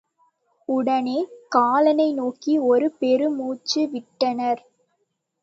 உடனே, காலனை நோக்கி ஒரு பெரு மூச்சு விட்டனர்.